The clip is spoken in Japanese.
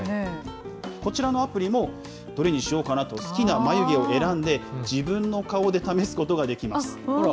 こちらのアプリも、どれにしようかなと好きな眉毛を選んで、自分の顔で試すことができます。